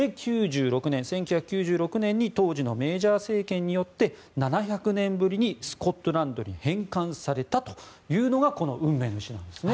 １９９６年に当時のメージャー政権によって７００年ぶりにスコットランドに返還されたというのがこの運命の石なんですね。